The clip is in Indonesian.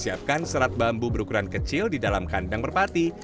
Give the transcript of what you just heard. siapkan serat bambu berukuran kecil di dalam kandang merpati